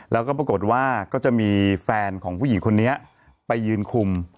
แล้วก็ปรากฏว่าก็จะมีแฟนของผู้หญิงคนนี้ไปยืนคุม